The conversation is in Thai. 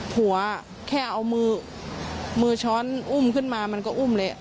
หัวแค่เอามือมือช้อนอุ้มขึ้นมามันก็อุ้มแหละ